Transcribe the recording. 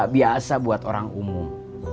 biasa buat orang umum